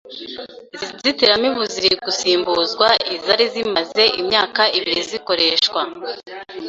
Izi nzitiramibu ziri gusimbuzwa izari zimaze imyaka ibiri zikoreshwa.